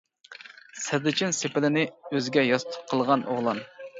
سەددىچىن سېپىلىنى ئۆزىگە ياستۇق قىلغان ئوغلان.